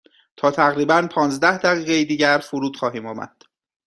تا تقریبا پانزده دقیقه دیگر فرود خواهیم آمد.